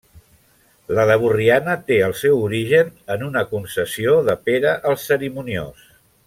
La de Borriana té el seu origen en una concessió de Pere el Cerimoniós.